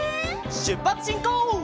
しゅっぱつしんこう！